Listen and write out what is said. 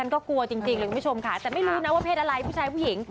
ก็กลัวจริงเลยคุณผู้ชมค่ะแต่ไม่รู้นะว่าเพศอะไรผู้ชายผู้หญิง